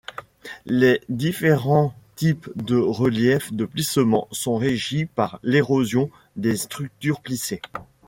Les différents types de relief de plissement sont régis par l'érosion des structures plissées.